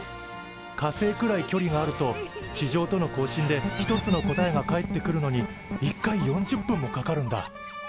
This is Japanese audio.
火星くらい距離があると地上との交信で１つの答えが返ってくるのに１回４０分もかかるんだ。